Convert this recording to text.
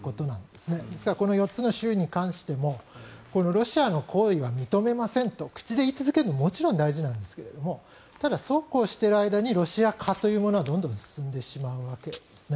ですからこの４つの州に関してもロシアの行為は認めませんと口で言い続けるのももちろん大事なんですけどただ、そうこうしている間にロシア化というものはどんどん進んでしまうわけです。